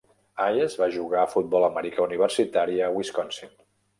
Hayes va jugar a futbol americà universitari a Wisconsin.